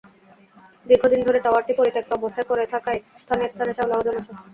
দীর্ঘদিন ধরে টাওয়ারটি পরিত্যক্ত অবস্থায় পড়ে থাকায় স্থানে স্থানে শেওলাও জমেছে।